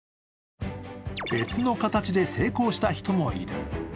別の形で成功した人もいる。